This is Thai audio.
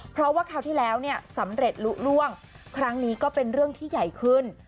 เพราะว่าคราวที่แล้วเนี่ยสำเร็จลุล่วงครั้งนี้ก็เป็นเรื่องที่ใหญ่ขึ้น